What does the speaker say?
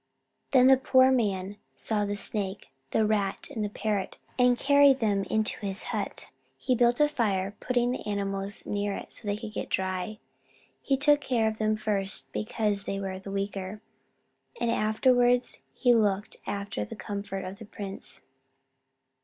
Then the poor man saw the Snake, the Rat, and the Parrot, and carried them to his hut. He built a fire, putting the animals near it so they could get dry. He took care of them first, because they were the weaker, and afterwards he looked after the comfort of the prince.